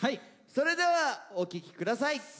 それではお聴き下さい。